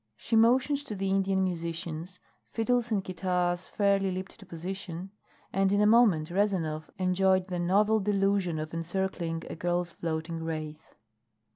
She motioned to the Indian musicians, fiddles and guitars fairly leaped to position, and in a moment Rezanov enjoyed the novel delusion of encircling a girl's floating wraith.